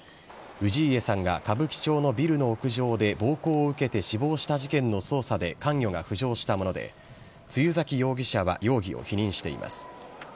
氏家さんが歌舞伎町のビルの屋上で暴行を受けて死亡した事件の捜査で関与が浮上したもので、露崎容疑者は容疑を否認しています。